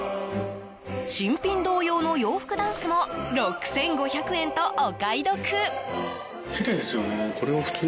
新品同様の洋服だんすも６５００円とお買い得。